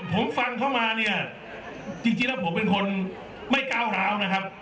ผมฟังเข้ามาเนี่ยจริงแล้วผมเป็นคนไม่ก้าวร้าวนะครับ